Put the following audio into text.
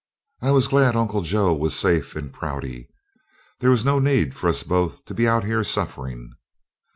I was glad Uncle Joe was safe in Prouty there was no need for us both to be out here suffering."